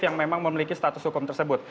yang memang memiliki status hukum tersebut